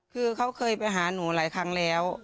คือเขาเคยไปหาหนูหลายครั้งแล้ว